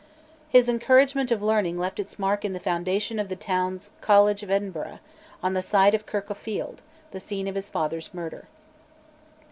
His encouragement of learning left its mark in the foundation of the Town's College of Edinburgh, on the site of Kirk o' Field, the scene of his father's murder.